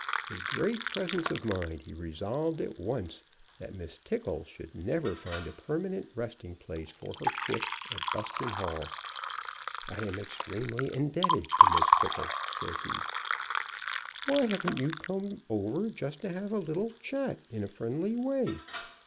With great presence of mind he resolved at once that Miss Tickle should never find a permanent resting place for her foot at Buston Hall. "I am extremely indebted to Miss Tickle," said he. "Why haven't you come over just to have a little chat in a friendly way?